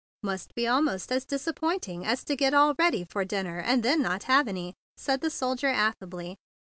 "Must be almost as disappointing as to get all ready for dinner and then not have any," said the soldier affably.